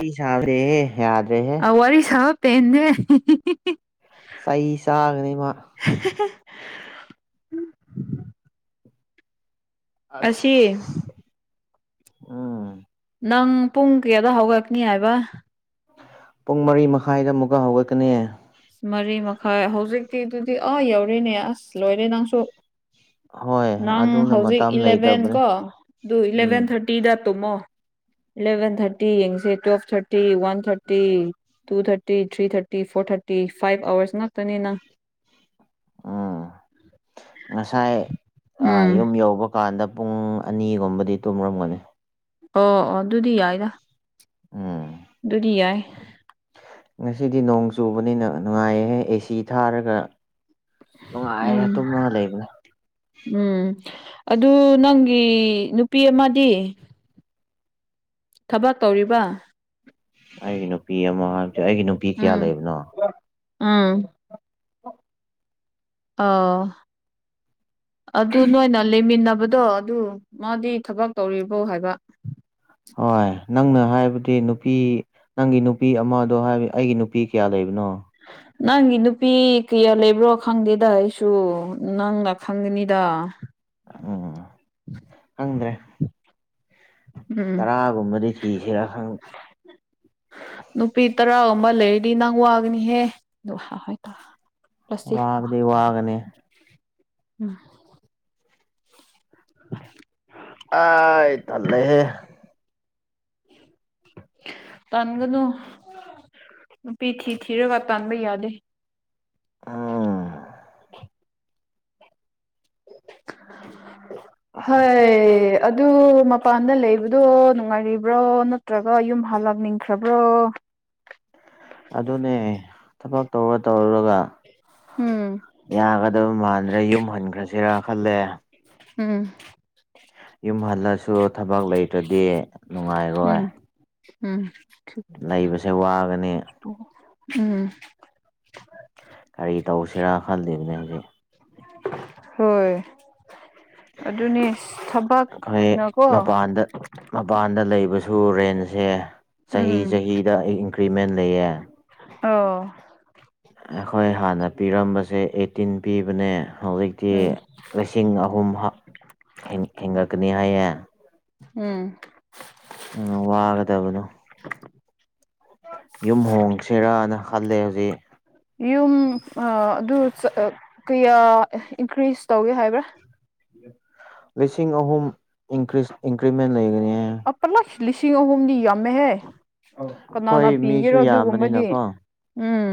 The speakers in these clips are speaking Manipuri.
ꯑꯩ ꯁꯥꯎꯗ‌ꯦꯍ‌ꯦ ꯌꯥꯗ‍꯭ꯔ‌ꯦꯍꯦ ꯑ ꯋꯥꯔꯤ ꯋꯥꯔꯤ ꯁꯥꯕ ꯄ‌ꯦꯟꯅ‌ꯦ ꯆꯩ ꯆꯥꯒꯅꯤ ꯃꯥ [unintelligible] ꯑꯁꯤ ꯑꯁ ꯎꯝ ꯅꯪ ꯄꯨꯡ ꯀꯌꯥꯗ ꯍꯧꯒꯠꯅꯤ ꯍꯥꯏꯕ ꯄꯨꯡ ꯃꯔꯤ ꯃꯈꯥꯏꯗ ꯑꯃꯨꯛꯀ ꯍꯧꯒꯠꯀꯅꯤꯌ‌ꯦ ꯃꯔꯤ ꯃꯈꯥꯏ ꯍꯧꯖꯤꯛꯇꯤꯗꯨꯗꯤ ꯑꯥ ꯌꯧꯔ‌ꯦꯅꯦ ꯑꯁ ꯂꯣꯏꯔꯦ ꯅꯪꯁꯨ ꯍꯣꯏ ꯅꯪ ꯑꯗꯨꯅ ꯍꯧꯖꯤꯛ ꯃꯇꯝ ꯏꯂꯦꯚꯦꯟ ꯂꯩꯇꯕꯅꯦ ꯀꯣ ꯑꯗꯨ ꯏꯂ‌ꯦꯚꯦꯟ ꯎꯝ ꯊꯥ꯭ꯔꯠ ꯇꯤꯗ ꯇꯨꯝꯃꯣ ꯏꯂꯚꯦꯟ ꯊꯥ꯭ꯔꯇꯤ ꯌꯦꯡꯁꯦ twelve thirty one thirty two thirty three thirty four thirty five hours ꯉꯥꯛꯇꯅꯤꯅ ꯎꯝ ꯉꯁꯥꯏ ꯑꯥ ꯎꯝ ꯌꯨꯝ ꯌꯧꯕ ꯀꯥꯟꯗ ꯄꯨꯡ ꯑꯅꯤꯒꯨꯝꯕꯗꯤ ꯇꯨꯝꯔꯝꯒꯅꯤ ꯑꯣ ꯑꯣ ꯑꯗꯨꯗꯤ ꯌꯥꯏꯗꯥ ꯎꯝ ꯗꯨꯗꯤ ꯌꯥꯏ ꯉꯁꯤꯗꯤ ꯅꯣꯡ ꯆꯨꯕꯅꯤꯅ ꯅꯨꯡꯉꯥꯏꯌꯦꯍꯦ ꯑꯦꯁꯤ ꯊꯥꯔꯒ ꯎꯝ ꯅꯨꯡꯉꯥꯏꯔ ꯇꯨꯝꯔꯒ ꯂꯩꯕꯅꯦ ꯎꯝ ꯑꯗꯨ ꯅꯪꯒꯤ ꯅꯨꯄꯤ ꯑꯃꯗꯤ ꯊꯕꯛ ꯇꯧꯔꯤꯕ ꯑꯩꯒꯤ ꯅꯨꯄꯤ ꯑꯃ ꯍꯥꯏꯕꯗꯤ ꯑꯩꯒꯤ ꯅꯨꯄꯤ ꯀꯌꯥ ꯎꯝ ꯂꯩꯕꯅꯣ ꯎꯝ ꯑꯥ ꯑꯗꯨ ꯅꯣꯏꯅ ꯂꯩꯃꯤꯟꯅꯕꯗꯣ ꯑꯗꯨ ꯃꯥꯗꯤ ꯊꯕꯛ ꯇꯧꯔꯤꯕꯣ ꯍꯥꯏꯕ ꯍꯣꯏ ꯅꯪꯅ ꯍꯥꯏꯕꯗꯤ ꯅꯨꯄꯤ ꯅꯪꯒꯤ ꯅꯨꯄꯤ ꯑꯃꯗꯣ ꯍꯥꯏ ꯑꯩꯒꯤ ꯅꯨꯄꯤ ꯀꯌꯥ ꯂꯩꯕꯅꯣ ꯅꯪꯒꯤ ꯅꯨꯄꯤ ꯀꯌꯥ ꯂꯩꯕ꯭ꯔꯣ ꯈꯪꯗꯦꯗ ꯑꯩꯁꯨ ꯅꯪꯅ ꯈꯪꯒꯅꯤꯗ ꯎꯝ ꯈꯪꯗ꯭ꯔꯦ ꯎꯝ ꯇꯔꯥꯒꯨꯝꯕꯗꯤ ꯊꯤꯁꯤꯔꯥ ꯈꯪ ꯅꯨꯄꯤ ꯇꯔꯥꯒꯨꯝꯕ ꯂꯩꯔꯗꯤ ꯅꯪ ꯋꯥꯒꯅꯤꯍꯦ [unintelligible] ꯋꯥꯕꯗꯤ ꯋꯥꯒꯅꯤ [unintelligible] ꯎꯝ [unintelligible] ꯑꯥꯏ ꯇꯜꯂꯦꯍꯦ [inaudible] ꯇꯥꯟꯒꯅꯨ ꯅꯨꯄꯤ ꯊꯤ ꯊꯤꯔꯒ ꯇꯥꯟꯕ ꯌꯥꯗꯦ ꯑꯥ ꯍꯩ ꯑꯗꯨ ꯃꯄꯥꯟꯗ ꯂꯩꯕꯗꯣ ꯅꯨꯡꯉꯥꯏꯔꯤꯕ꯭ꯔꯣ ꯅꯠꯇ꯭ꯔꯒ ꯌꯨꯝ ꯍꯜꯂꯛꯅꯤꯡꯈ꯭ꯔꯕ꯭ꯔꯣ ꯑꯗꯨꯅꯦ ꯊꯕꯛ ꯇꯧꯔ ꯇꯧꯔꯨꯔꯒ ꯎꯝ ꯌꯥꯒꯗꯕ ꯃꯥꯟꯗ꯭ꯔꯦ ꯌꯨꯝ ꯍꯟꯈ꯭ꯔꯁꯤꯔꯥ ꯈꯜꯂꯦ ꯎꯝ ꯌꯨꯝ ꯍꯜꯂꯁꯨ ꯊꯕꯛ ꯂꯩꯇ꯭ꯔꯗꯤ ꯅꯨꯡꯉꯥꯏꯔꯣꯏ ꯎꯝ ꯎꯝ [unintelligible] ꯅꯩꯕꯁꯦ ꯋꯥꯒꯅꯤ ꯎꯝ ꯀꯔꯤ ꯇꯧꯁꯤꯔꯥ ꯈꯜꯂꯤꯝꯅꯦ ꯍꯧꯖꯤ ꯍꯣꯏ ꯑꯗꯨꯅꯤ ꯑꯁ ꯊꯕꯛ ꯑꯩꯈꯣꯏ ꯃꯄꯥꯟꯗ ꯃꯄꯥꯟꯗ ꯂꯩꯕꯁꯨ ꯔꯦꯟꯁꯦ ꯆꯍꯤ ꯎꯝ ꯆꯍꯤꯗ ꯑꯩ ꯏꯟꯀ꯭ꯔꯤꯃꯦꯟ ꯂꯩꯌꯦ ꯑꯣ ꯑꯩꯈꯣꯏ ꯍꯥꯟꯅ ꯄꯤꯔꯝꯕꯁꯦ ꯑꯩꯠꯇꯤꯟ ꯄꯤꯕꯅꯦ ꯍꯧꯖꯤꯛꯇꯤ ꯎꯝ ꯂꯤ ꯁꯤꯡ ꯑꯍꯨꯝ ꯍꯤꯞ ꯍ‌ꯦꯟ ꯍꯦꯟꯒꯠꯀꯅꯤ ꯍꯥꯏꯌꯦ ꯎꯝ ꯎꯝ ꯋꯥꯒꯗꯕꯅꯣ [unintelligible] ꯌꯨꯝ ꯍꯣꯡꯁ‌ꯦꯔꯥꯅ ꯈꯜꯂꯦ ꯍꯧꯖꯤꯛ ꯌꯨꯝ ꯑꯥ ꯑꯗꯨ ꯆ ꯑꯥ ꯀꯌꯥ ꯏꯟꯀ꯭ꯔꯤꯖ ꯇꯧꯋ‌ꯦ ꯍꯥꯏꯕ꯭ꯔꯥ ꯂꯤꯁꯤꯡ ꯑꯍꯨꯝ ꯏꯟꯀ꯭ꯔꯤꯁ ꯏꯟꯀ꯭ꯔꯤꯃꯦꯟ ꯂꯩꯒꯅꯤꯍꯦ꯫ [unintelligible] ꯂꯤꯁꯤꯡ ꯑꯍꯨꯝꯗꯤ ꯌꯥꯝꯃꯦꯍꯦ ꯀꯅꯥꯅ ꯍꯣꯏ ꯄꯤꯒꯦꯔꯣ ꯃꯤꯁꯨ ꯑꯗꯨꯒꯨꯝꯕꯗꯤ ꯌꯥꯝꯕꯅꯤꯅꯀꯣ ꯎꯝ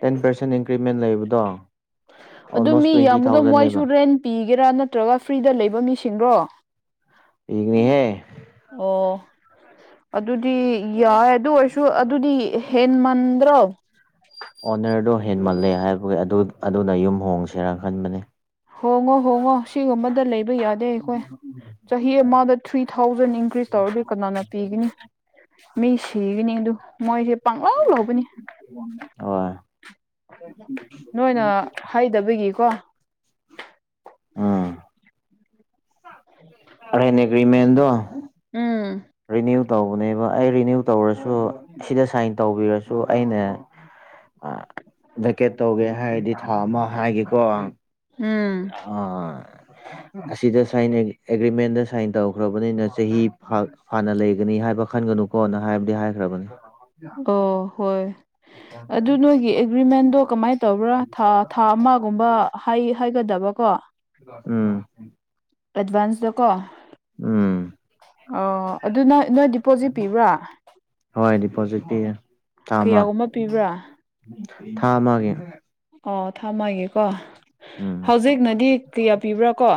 ꯇꯦꯟ ꯄꯥꯔꯁꯦꯟ ꯏꯟꯀ꯭ꯔꯤꯃꯦꯟ ꯂꯩꯕꯗꯣ ꯑꯗꯨ ꯑꯣꯜꯃꯣꯁ ꯃꯤ ꯇ꯭ꯋꯦꯟꯇꯤ ꯌꯥꯝꯕꯗꯣ ꯃꯣꯏꯁꯨ ꯊꯥꯎꯖꯟꯅꯦꯕ ꯔꯦꯟ ꯄꯤꯒꯦꯔꯥ ꯅꯠꯇ꯭ꯔꯒ ꯐ꯭ꯔꯤꯗ ꯂꯩꯕ ꯃꯤꯁꯤꯡꯔꯣ ꯄꯤꯒꯅꯤꯍꯦ ꯑꯣ ꯑꯗꯨꯗꯤ ꯌꯥꯏ ꯑꯗꯨ ꯑꯣꯏꯔꯁꯨ ꯑꯗꯨꯗꯤ ꯍꯦꯟꯃꯟꯗ꯭ꯔꯣ ꯑꯣꯅꯔꯗꯣ ꯍꯦꯟꯃꯜꯂꯦ ꯍꯥꯏꯕꯒꯤ ꯑꯗꯨ ꯑꯗꯨꯅ ꯌꯨꯝ ꯍꯣꯡꯁꯦꯔꯥ ꯈꯟꯕꯅꯤ ꯍꯣꯡꯉꯣ ꯍꯣꯡꯉꯣ ꯁꯤꯒꯨꯝꯕꯗ ꯂꯩꯕ ꯌꯥ ꯗ‌ꯦ ꯑꯩꯈꯣꯏ ꯆꯍꯤ ꯑꯃꯗ ꯊ꯭ꯔꯤ ꯊꯥꯎꯖꯟ ꯏꯟꯀ꯭ꯔꯤꯁ ꯇꯧꯔꯗꯤ ꯀꯅꯥꯅ ꯄꯤꯒꯅꯤ ꯃꯤ ꯁꯤꯒꯅꯤ ꯑꯗꯨ ꯃꯣꯏꯁꯦ ꯄꯥꯡꯂꯧ ꯂꯧꯕꯅꯤ ꯍ‌ꯣꯏ ꯅꯣꯏꯅ ꯍꯩꯗꯕꯒꯤꯀꯣ ꯎꯝ ꯍꯣꯔꯦꯟ ꯑꯦꯒ꯭ꯔꯤꯃꯦꯟꯗꯣ ꯎꯝ ꯔꯤꯅ꯭ꯌꯨ ꯇꯧꯕꯅꯦꯕ ꯑꯩ ꯔꯤꯅ꯭ꯌꯨ ꯇꯧꯔꯁꯨ ꯁꯤꯗ ꯁꯥꯏꯟ ꯇꯧꯕꯤꯔꯁꯨ ꯑꯩꯅ ꯑꯥ ꯚꯦꯀꯦꯠ ꯇꯧꯒꯦ ꯍꯥꯏꯔꯗꯤ ꯊꯥ ꯑꯃꯥ ꯍꯥꯏꯒꯦꯀꯣ ꯎꯝ ꯑꯥ ꯑꯁꯤꯗ ꯁꯥꯏꯟ ꯑꯦꯒ꯭ꯔꯤ ꯑꯦꯒ꯭ꯔꯤꯃꯦꯟꯗ ꯁꯥꯏꯟ ꯇꯧꯈ꯭ꯔꯕꯅꯤꯅ ꯆꯍꯤ ꯍꯥꯟ ꯍꯥꯟꯅ ꯂꯩꯒꯅꯤ ꯍꯥꯏꯕ ꯈꯟꯒꯅꯨꯀꯣꯅ ꯍꯥꯏꯕꯗꯤ ꯍꯥꯏꯈ꯭ꯔꯕꯅꯤ ꯑꯣ ꯍꯣꯏ ꯑꯗꯨ ꯅꯣꯏꯒꯤ ꯑꯦꯒ꯭ꯔꯤꯃꯦꯟꯗꯣ ꯀꯃꯥꯏ ꯇꯧꯕ꯭ꯔꯥ ꯊꯥ ꯊꯥ ꯑꯃꯒꯨꯝꯕ ꯍꯥꯏ ꯍꯥꯏꯒꯗꯕ ꯀꯣ ꯎꯝ ꯑꯦꯗꯚꯥꯟꯁꯗ ꯀꯣ ꯎꯝ ꯑꯣ ꯑꯗꯣ ꯅꯣꯏ ꯅꯣꯏ ꯗꯤꯄꯣꯖꯤꯠ ꯄꯤꯕ꯭ꯔꯥ ꯍꯣꯏ ꯗꯤꯄꯣꯖꯤꯠ ꯄꯤꯌꯦ ꯊꯥ ꯑꯃ ꯀꯌꯥꯒꯨꯝꯕ ꯄꯤꯕ꯭ꯔꯥ ꯊꯥ ꯑꯃꯒꯤ ꯑꯣ ꯊꯝꯃꯒꯦꯀꯣ ꯎꯝ ꯍꯧꯖꯤꯛꯅꯗꯤ ꯀꯌꯥ ꯄꯤꯕ꯭ꯔꯥ ꯀꯣ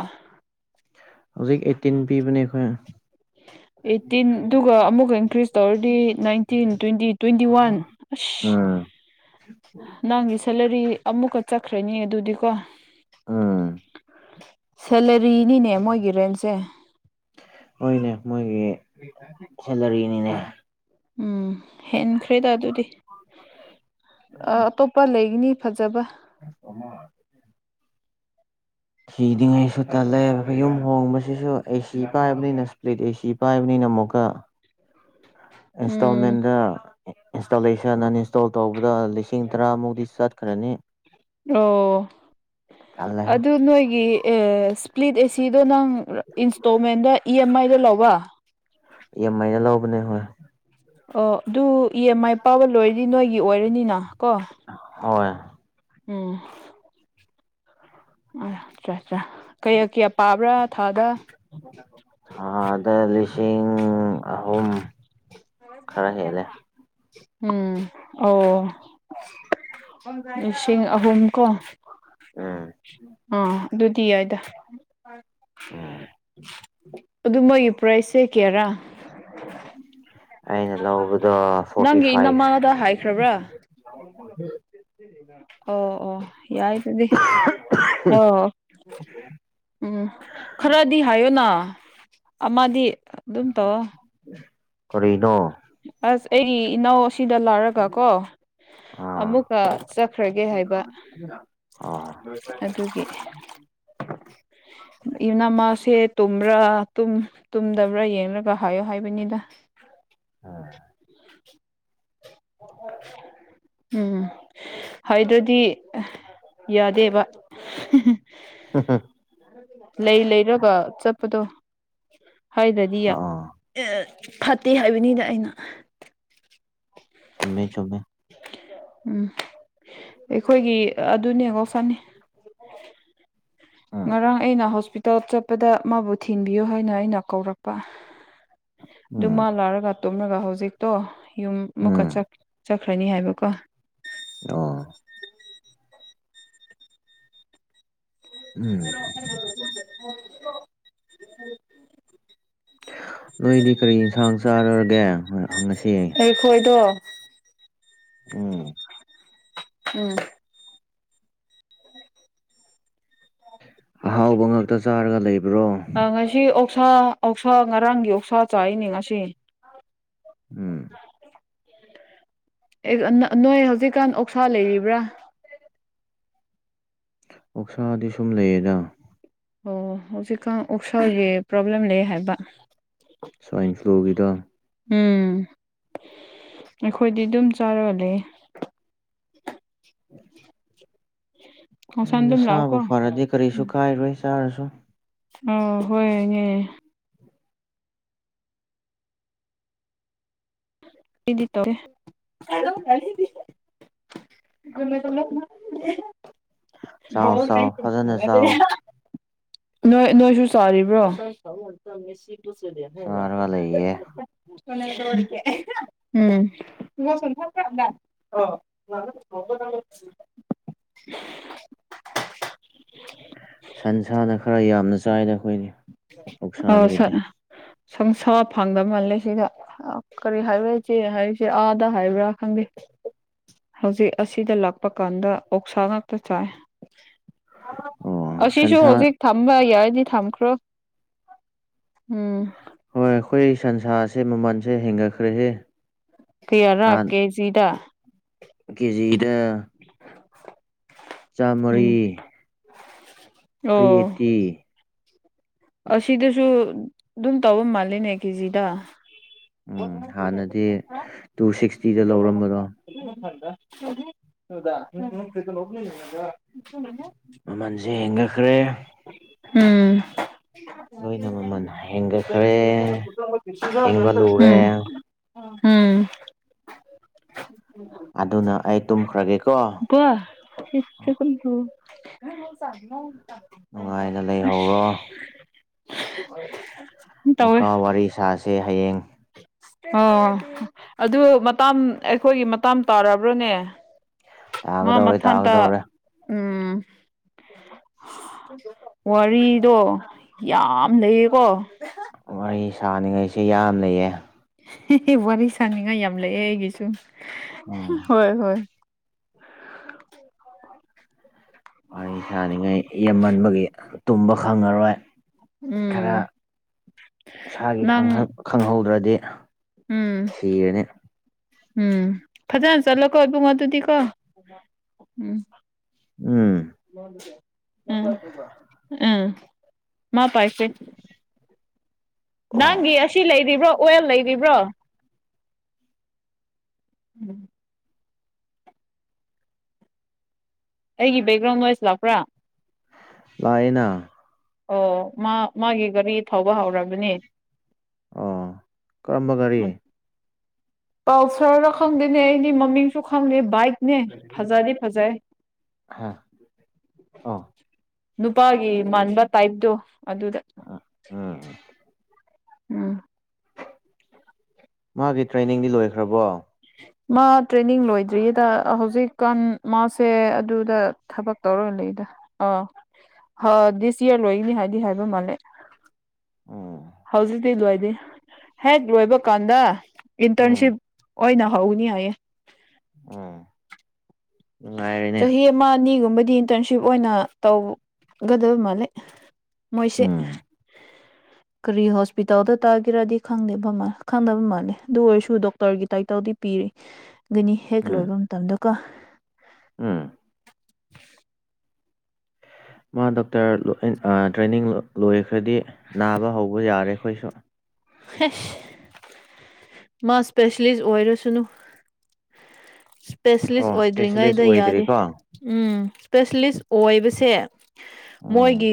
ꯍꯧꯖꯤꯛ ꯑꯩꯠꯇꯤꯟ ꯄꯤꯕꯅꯦ ꯑꯩꯈꯣꯏ ꯑꯩꯠꯇꯤꯟ ꯑꯗꯨꯒ ꯑꯃꯨꯛꯀ ꯏꯟꯀ꯭ꯔꯤꯁ ꯇꯧꯔꯗꯤ ꯅꯥꯏꯟꯇꯤꯟ ꯇ꯭ꯋꯦꯟꯇꯤ ꯇ꯭ꯋꯦꯟꯇꯤ ꯋꯥꯟ ꯑꯁ ꯎꯝ꯫ ꯅꯪꯒꯤ ꯁꯦꯂꯔꯤ ꯑꯃꯨꯛꯀ ꯆꯠꯈ꯭ꯔꯅꯤ ꯑꯗꯨꯗꯤ ꯀꯣ ꯎꯝ ꯁꯦꯂꯔꯤꯅꯤꯅꯦ ꯃꯣꯏꯒꯤ ꯔꯦꯟꯁꯦ ꯍꯣꯏꯅꯦ ꯃꯣꯏꯒꯤ ꯁꯦꯂꯔꯤꯅꯤꯅꯦ ꯎꯝ ꯍꯦꯟꯈ꯭ꯔꯦꯗ ꯑꯗꯨꯗꯤ ꯑ ꯑꯇꯣꯞꯄ ꯂꯩꯒꯅꯤ ꯐꯖꯕ ꯑꯃ ꯊꯤꯗꯤꯉꯩꯁꯨ ꯇꯜꯂꯦ ꯌꯨꯝ ꯍꯣꯡꯕꯁꯤꯁꯨ ꯑꯩꯁꯨ ꯏꯀꯥꯏꯕꯅꯤꯅ ꯑꯦꯁꯤ ꯄꯥꯏꯕꯅꯤꯅ ꯑꯃꯨꯛꯀ ꯎꯝ ꯏꯟꯁꯇꯣꯜꯃꯦꯟꯗ ꯏꯟꯁꯇꯣꯂꯦꯁꯟ ꯑꯟꯏꯟꯁꯇꯣꯜ ꯇꯧꯕꯗꯁꯤꯡ ꯂꯤꯤꯡ ꯇꯔꯥꯃꯨꯗꯤꯤ ꯑꯣ ꯆꯠꯈ꯭ꯔꯅꯤꯜꯂ ꯑꯗꯨ ꯅꯣꯏꯒꯤ ꯁ꯭ꯄ꯭ꯂꯤꯠ ꯑꯦꯁꯤꯗꯣ ꯅꯪ ꯏꯟꯁꯇꯣꯜꯃꯦꯟꯗ ꯏ ꯑꯦꯝ ꯑꯥꯏꯗ ꯂꯧꯕ ꯌꯥꯝꯃꯥꯏꯅ ꯂꯧꯕꯅꯦ ꯍꯣꯏ ꯑꯣ ꯑꯗꯨ ꯏ ꯑꯦꯝ ꯑꯥꯏ ꯄꯥꯕ ꯂꯣꯏꯔꯗꯤ ꯅꯣꯏꯒꯤ ꯑꯣꯏꯔꯅꯤꯅ ꯀꯣ꯫ ꯍꯣꯏ ꯎꯝ ꯑ ꯑꯠꯆꯥ ꯑꯠꯆꯥꯥ ꯀꯌꯥ ꯀꯌꯥ ꯄꯥꯕ꯭ꯔꯥ ꯊꯥꯗ ꯑꯗ ꯂꯤꯁꯤꯡ ꯑꯍꯨꯝ ꯈꯔ ꯍꯦꯂꯦ ꯎꯝ ꯑꯣ ꯂꯤꯁꯤꯡ ꯑꯍꯨꯝ ꯀꯣ ꯎꯝ ꯑꯥ ꯑꯗꯨꯗꯤ ꯌꯥꯏꯗ ꯎꯝ ꯑꯗꯨ ꯃꯣꯏꯒꯤ ꯄ꯭ꯔꯥꯏꯁꯁꯦ ꯀꯦꯔ ꯑꯩꯅ ꯂꯧꯕꯗꯣ ꯐꯣꯔꯇꯤ ꯅꯪꯒꯤ ꯏ ꯐꯥꯏꯚ ꯅꯃꯥꯗ ꯍꯥꯏꯈ꯭ꯔꯕ꯭ꯔꯥ ꯑꯣ ꯑꯣ ꯌꯥꯏ ꯇꯗꯤ ꯍ ꯍ ꯎꯝ ꯈꯔꯗꯤ ꯍꯥꯏꯌꯣꯅ ꯑꯃꯗꯤ ꯑꯗꯨ ꯑꯗꯨꯝꯇꯣ ꯀꯔꯤꯅꯣ ꯑꯁ ꯑꯩꯒꯤ ꯏꯅꯥꯎ ꯑꯁꯤꯗ ꯂꯥꯛꯔꯒ ꯀꯣ ꯑꯥ ꯑꯃꯨꯛꯀ ꯆꯠꯈ꯭ꯔꯒꯦ ꯍꯥꯏꯕ ꯑꯥ ꯑꯗꯨꯒꯤ [unintelligible] ꯏꯅ ꯃꯥꯁꯦ ꯇꯨꯝꯕ꯭ꯔꯥ ꯇꯨꯝꯗꯕ꯭ꯔꯥ ꯌꯦꯡꯂꯒ ꯍꯥꯏꯌꯣ ꯍꯥꯏꯕꯅꯤꯗ [unintelligible] ꯎꯝ ꯍꯥꯏꯗꯗꯤ ꯌꯥꯗꯦꯕ ꯍ ꯍ ꯂꯩ ꯂꯩꯔꯒ ꯆꯠꯄꯗꯣ ꯍꯥꯏꯗ꯭ꯔꯗꯤ ꯌ ꯑꯥ ꯑꯦ ꯐꯠꯇꯦ ꯍꯥꯏꯕꯅꯤꯗ ꯑꯩꯅ ꯆꯨꯝꯃꯦ ꯆꯨꯝꯃꯦ ꯎꯝ ꯑꯩꯈꯣꯏꯒꯤ ꯑꯗꯨꯅꯦ ꯒꯣꯁꯟꯅꯦ ꯎꯝ ꯉꯔꯥꯡ ꯑꯩꯅ ꯍꯣꯁꯄꯤ ꯇꯞ ꯆꯠꯄꯗ ꯃꯥꯕꯨ ꯊꯤꯟꯕꯤꯌꯣ ꯍꯥꯏꯅ ꯑꯩꯅ ꯀꯧꯔꯛꯄ ꯑꯗꯨ ꯃꯥ ꯎꯝ ꯂꯥꯛꯂꯒ ꯇꯣꯝꯂꯒ ꯍꯧꯖꯤꯛꯇꯣ ꯌꯨꯝ ꯑꯃꯨꯛꯀ ꯎꯝ ꯆꯠꯈ꯭ꯔꯅꯤ ꯍꯥꯏꯕꯀꯣ ꯗꯣ ꯎꯝ [inaudible] ꯅꯣꯏꯗꯤ ꯀꯔꯤ ꯏꯟꯁꯥꯡ ꯆꯥꯔꯒꯦ ꯉꯁꯤ ꯈꯣꯏꯗꯣ ꯎꯝ ꯎꯝ ꯑꯍꯥꯎꯕ ꯉꯥꯛꯛꯇ ꯆꯥꯔꯒ ꯂꯩꯕ꯭ꯔꯣ ꯑ ꯉꯁꯤ ꯑꯣꯛꯁꯥ ꯑꯛꯁꯥ ꯉꯔꯥꯡꯒꯤ ꯑꯣꯛꯁꯥ ꯆꯥꯔꯤꯅꯦ ꯉꯁꯤ ꯎꯝ ꯑꯦ ꯑꯅ ꯑꯅ ꯅꯣꯏ ꯍꯧꯖꯤꯛꯀꯥꯟ ꯑꯣꯛꯁꯥ ꯂꯩꯔꯤꯕ꯭ꯔꯥ ꯑꯣꯛꯁꯥꯗꯤ ꯁꯨꯝ ꯂꯩꯌꯦꯗ ꯑꯣ ꯍꯧꯖꯤꯛꯀꯥꯟ ꯑꯣꯛꯁꯥꯎꯒꯤ ꯄ꯭ꯔꯣꯕ꯭ꯂꯦꯝ ꯂꯩ ꯍꯥꯏꯕ ꯁ꯭ꯋꯥꯏꯟ ꯐ꯭ꯂꯨꯒꯤꯗꯣ ꯎꯝ ꯑꯩꯈꯣꯏꯗꯤ ꯑꯗꯨꯝ ꯆꯥꯔꯒ ꯂꯩꯌꯦ ꯑꯦ ꯈꯣꯡꯁꯥꯟꯗꯨꯝ ꯂꯥꯛꯎꯀꯣ ꯅꯁꯥꯕꯨ ꯐꯔꯗꯤ ꯀꯔꯤꯁꯨ ꯀꯥꯏꯔꯣꯏ ꯆꯥꯔꯁꯨ ꯑꯣ ꯍꯣꯏ [unintelligible] ꯂ ꯆꯂ ꯆꯥꯎ ꯆꯥꯎ ꯐꯖꯅ ꯆꯥꯎ [unintelligible] ꯅꯣꯏ ꯅꯣꯏꯁꯨ ꯆꯥꯔꯤꯕ꯭ꯔꯣ ꯆꯥꯔꯒ ꯂꯩꯌꯦ [unintelligible] ꯎꯝ [unintelligible] [inaudible] [inaudible] ꯁꯟꯁꯅ ꯈꯔ ꯌꯥꯝꯅ ꯆꯥꯏꯗ ꯑꯩꯈꯣꯏꯒꯤ ꯎꯁꯥꯗꯒꯤꯗꯤ ꯁꯨꯡꯁꯥ ꯐꯪꯗ ꯃꯥꯜꯂꯦ ꯁꯤꯗ ꯀꯔꯤ ꯍꯥꯏꯔ ꯁꯦ ꯍꯥꯏꯁꯦ ꯑꯥꯗ ꯍꯥꯏꯕ꯭ꯔꯥ ꯈꯪꯗꯦ ꯍꯧꯖꯤꯛ ꯑꯁꯤꯗ ꯂꯥꯛꯄ ꯀꯥꯟꯗ ꯑꯣꯛꯁꯥ ꯉꯥꯛꯇ ꯆꯥꯏ ꯑꯣ ꯑꯁꯤꯁꯤꯁꯨꯣ ꯍꯧꯖꯤ ꯁꯟꯁꯥ ꯊꯝꯕ ꯌꯥꯔꯗꯤ ꯊꯝꯈ꯭ꯔꯣ ꯎꯝ ꯍꯣꯏ ꯑꯩꯈꯣꯏ ꯁꯟꯁꯥꯁꯦ ꯃꯃꯜꯁꯦ ꯍꯦꯟꯒꯠꯈ꯭ꯔꯍꯦ ꯀꯌꯥꯔꯥ ꯀꯦꯖꯤꯗ ꯀꯦꯖꯤꯗ [inaudible] ꯆꯥꯝꯃꯔꯤ ꯎꯝ ꯑꯣ ꯊ꯭ꯔꯤ ꯑꯩꯠꯇꯤ ꯑꯁꯤꯗꯁꯨ ꯑꯗꯨꯝ ꯇꯧꯕ ꯃꯥꯂꯦꯅꯦ ꯀꯦꯖꯤꯗ ꯎꯝ ꯍꯥꯟꯅꯗꯤ ꯇꯨ ꯁꯤꯛꯁꯇꯤꯗ ꯂꯧꯔꯝꯕꯗꯣ [unintelligible] ꯃꯃꯟꯁꯦ ꯍꯦꯟꯒꯠꯈ꯭ꯔꯦ ꯎꯝ ꯂꯣꯏꯅ ꯃꯃꯜ ꯍꯦꯟꯒꯠꯈ꯭ꯔꯦ ꯍꯦꯟꯕ [inaudible] ꯂꯨꯔꯦ ꯎꯝ ꯑꯗꯨꯅ ꯑꯩ ꯇꯨꯝꯈ꯭ꯔꯒꯦꯀꯣ [unintelligible] ꯅꯨꯡꯉꯥꯏꯅ ꯂꯩꯍꯧꯔꯣ ꯇꯧꯋꯦ ꯃꯀꯥ ꯋꯥꯔꯤ ꯁꯥꯥꯁꯦ ꯍꯌꯦꯡ ꯑꯣ ꯑꯗꯨ ꯃꯇꯥꯝ ꯑꯩꯈꯣꯏꯒꯤ ꯃꯇꯥꯝ ꯇꯥꯔꯕ꯭ꯔꯅꯦ ꯃꯥ ꯇꯥꯒꯗꯧꯔꯦ ꯃꯊꯟꯇ ꯇꯥꯒꯗꯧꯔꯦ ꯎꯝ ꯋꯥꯔꯤꯗꯣ ꯌꯥꯝ ꯂꯩꯌꯦꯀꯣ ꯋꯥꯔꯤ ꯁꯥꯥꯟꯅꯤꯡꯉꯥꯏꯁꯦ ꯌꯥꯝ ꯂꯩꯌꯦ ꯑꯦ ꯋꯥꯔꯤ ꯁꯥꯟꯅꯤꯡꯉꯥꯏ ꯌꯥꯝ ꯂꯩꯑꯦ ꯑꯩꯒꯤꯁꯨ ꯎꯝ ꯍꯣꯏ ꯍꯣꯏ ꯋꯥꯔꯤ ꯁꯥꯔꯤꯉꯥꯏ ꯌꯦꯦꯝꯃꯟꯕꯒꯤ ꯇꯨꯝꯕ ꯈꯪꯉꯔꯣꯏ ꯈꯔ ꯎꯝ ꯏꯁꯥꯒꯤ ꯅꯪ ꯈꯪꯍꯧꯗ꯭ꯔꯗꯤ ꯎꯝ ꯁꯤꯔꯅꯤ ꯎꯝ ꯐꯖꯅ ꯆꯠꯂꯣꯀꯣ ꯏꯕꯨꯡ ꯑꯗꯨꯗꯤꯀꯣ ꯎꯝ ꯎꯝ ꯎꯝ ꯎꯝ ꯃꯥ ꯄꯥꯏꯔꯁꯦ ꯑꯣ ꯅꯪꯒꯤ ꯑꯁꯤ ꯂꯩꯔꯤꯕ꯭ꯔꯣ ꯑꯣꯏꯜ ꯂꯩꯔꯤꯕ꯭ꯔꯣ ꯑꯩꯒꯤ ꯕꯦꯛꯒ꯭ꯔꯥꯎꯟ ꯅꯣꯏꯁ ꯂꯥꯛꯄ꯭ꯔꯥ ꯇꯥꯏꯅꯥ ꯑꯣ ꯃꯥ ꯃꯥꯒꯤ ꯒꯥꯔꯤ ꯊꯧꯕ ꯍꯧꯔꯕꯅꯤ ꯑꯣ ꯀꯔꯝꯕ ꯒꯥꯔꯤ ꯄꯜꯁꯔꯔ ꯈꯪꯗꯦꯅꯦ ꯑꯩꯗꯤ ꯃꯃꯤꯡ ꯁꯨ ꯈꯪꯗꯦ ꯕꯥꯏꯛꯅꯦ ꯐꯖꯗꯤ ꯐꯖꯏ ꯍꯥ ꯑꯣ ꯅꯨꯄꯥꯒꯤ ꯃꯥꯟꯕ ꯇꯥꯏꯞꯗꯣ ꯑꯗꯨꯗ ꯎꯝ ꯎꯝ ꯃꯥꯒꯤ ꯇ꯭ꯔꯦꯅꯤꯡꯗꯤ ꯂꯣꯏꯈ꯭ꯔꯕꯣ ꯃꯥ ꯇ꯭ꯔꯦꯅꯤꯡ ꯂꯣꯏꯗ꯭ꯔꯤꯌꯦꯗ ꯍꯧꯖꯤꯛꯀꯥꯟ ꯃꯥꯁꯦ ꯑꯗꯨꯗ ꯊꯕꯛ ꯇꯧꯔꯒ ꯂꯩꯗ ꯑꯥ ꯗꯤꯁ ꯏꯌꯥꯔ ꯂꯣꯏꯒꯅꯤ ꯍꯥꯏꯗꯤ ꯍꯥꯏꯕ ꯃꯥꯜꯂꯦ ꯎꯝ ꯍꯧꯖꯤꯛꯇꯤ ꯂꯣꯏꯗꯤ ꯍꯦꯛ ꯂꯣꯏꯕ ꯀꯥꯟꯗ ꯎꯝ ꯏꯟꯇꯔꯟꯁꯤꯞ ꯑꯣꯏꯅ ꯍꯧꯅꯤ ꯍꯥꯏꯌꯦ ꯑꯣ ꯅꯨꯡꯉꯥꯏꯔꯦꯅꯦ ꯆꯍꯤ ꯑꯃ ꯑꯅꯤꯒꯨꯝꯕꯗꯤ ꯏꯟꯇꯔꯟꯁꯤꯞ ꯑꯣꯏꯅ ꯇꯧꯒꯗꯕ ꯃꯥꯂꯦ ꯃꯣꯏꯁꯦ ꯎꯝ ꯀꯔꯤ ꯍꯣꯁꯄꯤꯇꯥꯜꯗ ꯇꯥꯒꯦꯔꯗꯤ ꯈꯪꯗꯦꯕ ꯈꯪꯗꯕ ꯃꯥꯜꯂꯦ ꯑꯗꯨ ꯑꯣꯏꯔꯁꯨ ꯗꯣꯛꯇꯔꯒꯤ ꯇꯥꯏꯇꯜꯗꯤ ꯄꯤꯔꯦ [inaudible] ꯒꯅꯤ ꯍꯦꯛ ꯎꯝ ꯂꯣꯏꯕ ꯃꯇꯝꯗꯀꯣ ꯎꯝ ꯃꯥ ꯗꯣꯛꯇꯔ ꯇ꯭ꯔꯦꯅꯤꯡ ꯂꯣꯏꯈ꯭ꯔꯗꯤ ꯅꯥꯕ ꯍꯧꯕ ꯌꯥꯔꯦ ꯑꯩꯈꯣꯏꯁꯨ ꯍꯦ ꯃꯥ ꯏꯁꯄꯦꯁꯦꯂꯤꯁ ꯑꯣꯏꯔꯁꯅꯨ ꯏꯁꯄꯦꯁꯂꯤꯁ ꯑꯣ ꯏꯁꯄꯦꯁꯦꯂꯤꯁ ꯑꯣꯏꯗ꯭ꯔꯤꯉꯩꯗ ꯌꯥꯗꯦ ꯑꯣꯏꯗ꯭ꯔꯤꯀꯣ ꯎꯝ ꯏꯁꯄꯦꯁꯦꯂꯤꯁ ꯑꯣꯏꯕꯁꯦ ꯎꯝ ꯃꯣꯏꯒꯤ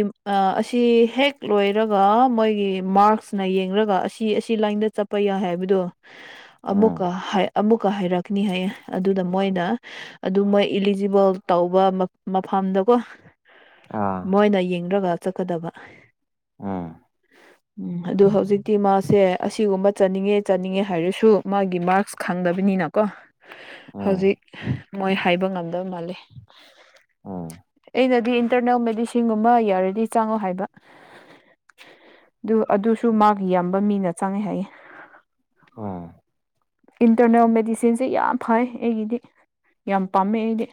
ꯑ ꯁꯤ ꯍꯦꯛ ꯂꯣꯏꯔꯒ ꯃꯣꯏꯒꯤ ꯃꯥꯔꯛꯁꯅ ꯌꯦꯡꯂꯡꯒ ꯑꯁꯤ ꯑꯁꯤ ꯂꯥꯏꯟꯗ ꯆꯠꯄ ꯌꯥꯏ ꯍꯥꯏꯕꯗꯣ ꯎꯝ ꯑꯃꯨꯛꯀ ꯍꯥꯏ ꯑꯃꯨꯛꯀ ꯍꯥꯏꯔꯛꯅꯤ ꯍꯥꯏꯌꯦ ꯑꯗꯨꯗ ꯃꯣꯏꯅ ꯑꯗꯨ ꯃꯣꯏ ꯏꯂꯤꯖꯤꯕꯜ ꯇꯧꯕ ꯃꯐꯝꯗꯀꯣ ꯑꯥ ꯃꯣꯏꯅ ꯌꯦꯡꯔꯒ ꯆꯠꯀꯗꯕ [unintelligible] ꯎꯝ ꯑꯗꯨ ꯍꯧꯖꯤꯛꯇꯤ ꯃꯥꯁꯦ ꯑꯁꯤꯒꯨꯝꯕ ꯆꯠꯅꯤꯡꯉꯦ ꯆꯠꯅꯤꯡꯉꯦ ꯍꯥꯏꯔꯁꯨ ꯃꯥꯒꯤ ꯃꯥꯔꯛꯁ ꯈꯪꯗꯕꯅꯤꯅꯀꯣ ꯎꯝ ꯍꯧꯖꯤꯛ ꯃꯣꯏ ꯍꯥꯏꯕ ꯉꯝꯗꯕ ꯃꯥꯜꯂꯤ ꯑꯣ ꯑꯩꯅꯗꯤ ꯏꯟꯇꯔꯅꯦꯜ ꯃꯦꯗꯤꯁꯤꯟꯒꯨꯝꯕ ꯌꯥꯔꯗꯤ ꯆꯥꯡꯉꯣ ꯍꯥꯏꯕ ꯑꯗꯨ ꯑꯗꯨꯁꯨ ꯃꯥꯛ ꯌꯥꯝꯕ ꯃꯤꯅ ꯆꯪꯉꯦ ꯍꯥꯏꯌꯦ ꯎꯝ ꯏꯟꯇꯔꯅꯦꯜ ꯃꯦꯗꯤꯁꯤꯟꯁꯦ ꯌꯥꯝ ꯐꯩ ꯑꯩꯒꯤꯗꯤ ꯌꯥꯝ ꯄꯥꯝꯃꯦ ꯑꯩꯗꯤ